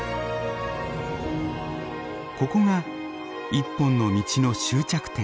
ここが一本の道の終着点。